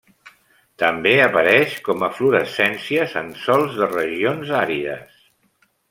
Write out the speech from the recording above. També apareix com eflorescències en sòls de regions àrides.